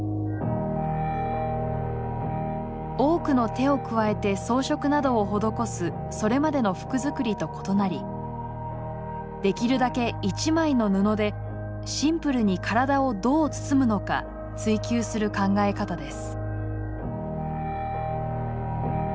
多くの手を加えて装飾などを施すそれまでの服づくりと異なりできるだけ一枚の布でシンプルに体をどう包むのか追求する考え方です。